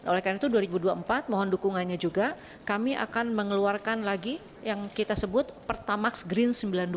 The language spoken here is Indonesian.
oleh karena itu dua ribu dua puluh empat mohon dukungannya juga kami akan mengeluarkan lagi yang kita sebut pertamax green sembilan puluh dua